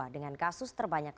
dengan kasus terbanyak